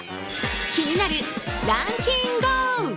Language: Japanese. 気になるランキンＧＯ！。